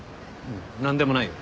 何でもないよ。